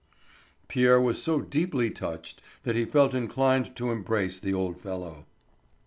Pierre was so deeply touched that he felt inclined to embrace the old fellow.